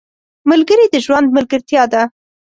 ملګري د ژوند ملګرتیا ده.